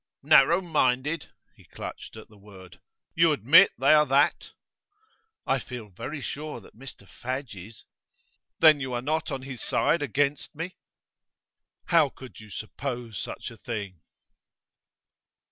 'Narrow minded?' He clutched at the word. 'You admit they are that?' 'I feel very sure that Mr Fadge is.' 'Then you are not on his side against me?' 'How could you suppose such a thing?